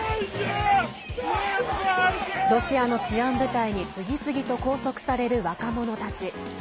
ロシアの治安部隊に次々と拘束される若者たち。